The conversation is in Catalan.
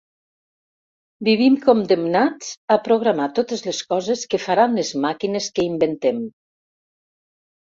Vivim condemnats a programar totes les coses que faran les màquines que inventem.